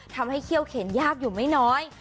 ทำให้เขี้ยวเข่นยากอยู่ไม่น้อย